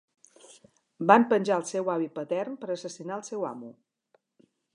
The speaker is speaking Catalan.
Van penjar el seu avi patern per assassinar el seu amo.